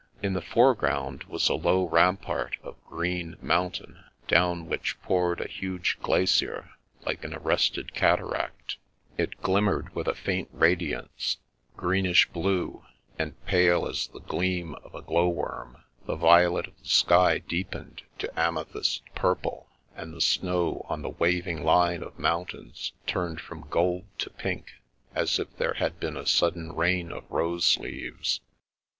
In the foreground was a low rampart of green moun tain, down which poured a huge glacier like an arrested cataract. It glimmered with a faint ra 214 The Princess Passes diance, greenish blue, and pale as the gleam of a glow worm. The violet of the sky deepened to ame thyst purple, and the snow on the waving line of mountains turned fr(»n gold to pink, as if there had been a sudden rain of rose leaves.